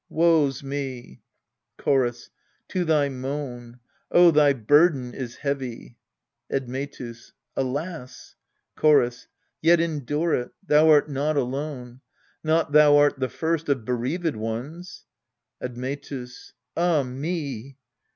Woe's me ! Chorus. To thy moan. Oh, thy burden is heavy ! Admetus. Alas ! Chorus. Yet endure it : thou art not alone. Not thou art the first Of bereaved ones. Admetus. Ah me